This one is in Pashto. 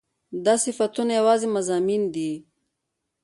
دا صفتونه يواځې مضامين دي